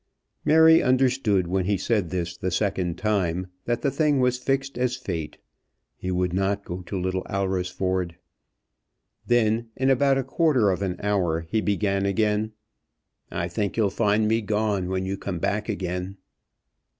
Mary understood, when he said this the second time, that the thing was fixed as fate. He would not go to Little Alresford. Then, in about a quarter of an hour, he began again "I think you'll find me gone when you come back again."